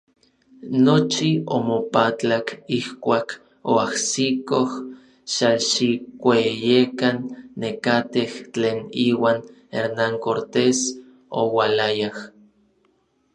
Nochi omopatlak ijkuak oajsikoj Xalxikueyekan nekatej tlen iuan Hernán Cortés oualayaj.